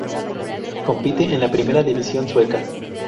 Compite en la Primera División Sueca.